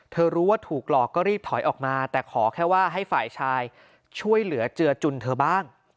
รู้ว่าถูกหลอกก็รีบถอยออกมาแต่ขอแค่ว่าให้ฝ่ายชายช่วยเหลือเจือจุนเธอบ้าง